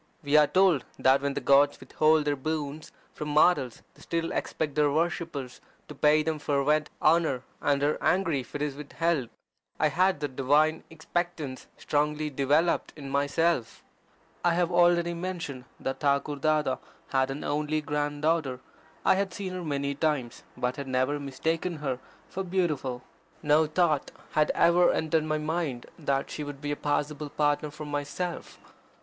We are told that when the gods withhold their boons from mortals they still expect their worshippers to pay them fervent honour, and are angry if it is withheld. I had that divine expectance strongly developed in myself. I have already mentioned that Thakur Dada had an only grand daughter. I had seen her many times, but had never mistaken her for beautiful. No thought had ever entered my mind that she would be a possible partner for myself.